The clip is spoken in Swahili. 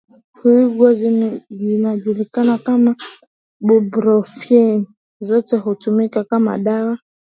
kuigwa zinajulikana kama buprenofini zote hutumika kama dawa